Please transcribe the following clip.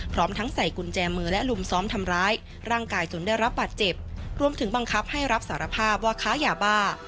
พร้อมทั้งใส่กุญแจมือและลุมซ้อมทำร้ายร่างกายจนได้รับบาดเจ็บรวมถึงบังคับให้รับสารภาพว่าค้ายาบ้า